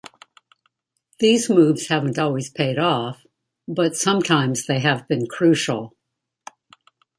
These moves haven't always paid off, but sometimes they have been crucial.